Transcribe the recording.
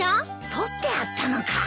とってあったのか。